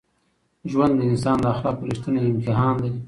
ژوند د انسان د اخلاقو رښتینی امتحان دی.